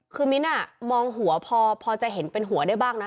คือมิ้นมองหัวพอจะเห็นเป็นหัวได้บ้างนะ